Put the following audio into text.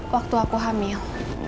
waktu aku hamil